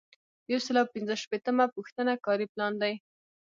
یو سل او پنځه شپیتمه پوښتنه کاري پلان دی.